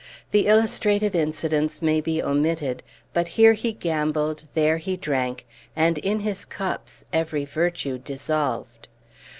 The illustrative incidents may be omitted; but here he gambled, there he drank; and in his cups every virtue dissolved.